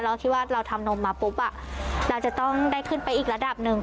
เราคิดว่าเราทำนมมาปุ๊บเราจะต้องได้ขึ้นไปอีกระดับหนึ่ง